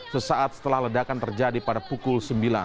sesaat setelah ledakan terjadi pada pukul sembilan